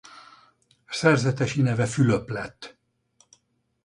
Szerzetesi neve Fülöp lett.